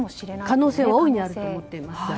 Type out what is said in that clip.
可能性は大いにあると思っています。